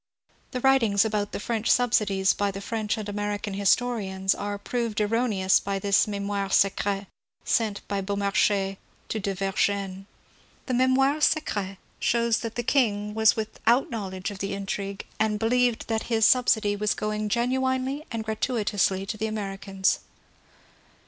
The writings about the French sub sidies by French and American historians are proved errone ous by this " Memoire Secret *' sent by Beaumarehais to De Vergennes. The ^' Memoire Secret " shows that the king was without knowledge of the intrigue, and believed that his sub sidy was going genuinely and gratuitously to the Americans.